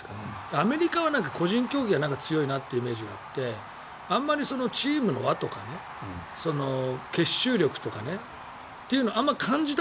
アメリカは個人競技が強いイメージがあってあまりチームの輪とか結集力とかというのはあまり感じた